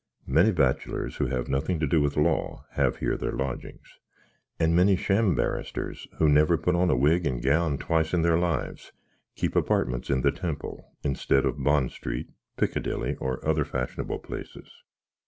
Many batchylers who have nothink to do with lor, have here their loginx; and many sham barrysters, who never put on a wig and gowned twise in their lives, kip apartments in the Temple, instead of Bon Street, Pickledilly, or other fashnabble places.